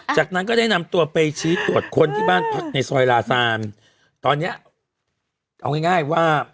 จากนั้นก็ได้นำตัวไปชี้ตรวจคนที่บ้านพักในซอยลาซานตอนเนี้ยเอาง่ายง่ายว่า